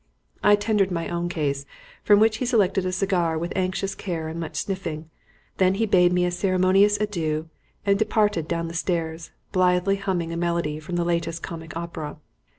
I tendered my own case, from which he selected a cigar with anxious care and much sniffing; then he bade me a ceremonious adieu and departed down the stairs, blithely humming a melody from the latest comic opera.